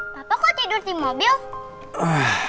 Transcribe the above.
tato kok tidur di mobil